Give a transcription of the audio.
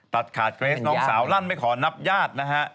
ตัดขาดเกรสน้องสาวลั่นไม่ขอนับญาตินะฮะ